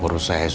baru saya s dua